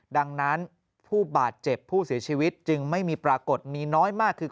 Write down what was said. ดังนั้นผู้บาดเจ็บผู้เสียชีวิตจึงไม่มีปรากฏมีน้อยมากคือ